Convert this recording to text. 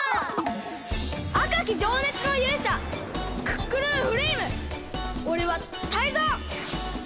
あかきじょうねつのゆうしゃクックルンフレイムおれはタイゾウ！